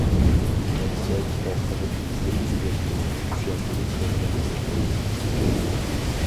نەچچە كىتاب قىلىپ يېزىپ تۈگەتكىلى، چۈشەندۈرۈپ بولغىلى بولمايدۇ.